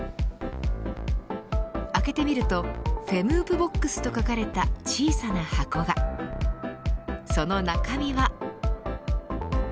開けてみるとフェムープボックスと書かれた小さな箱がその中身は。